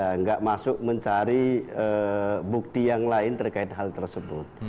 tidak masuk mencari bukti yang lain terkait hal tersebut